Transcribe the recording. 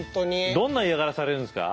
どんな嫌がらせされるんですか？